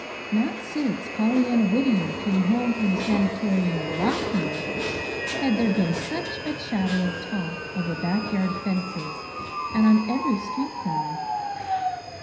Not since Pollyanna Whittier came home from the Sanatorium, WALKING, had there been such a chatter of talk over back yard fences and on every street corner.